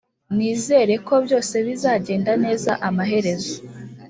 nizere ko byose bizagenda neza amaherezo.